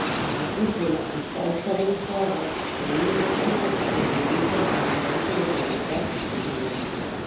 La cúpula está estabilizada con un azimut le permite al comandante localizar el blanco.